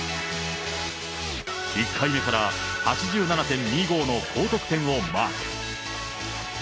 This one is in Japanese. １回目から８７．２５の高得点をマーク。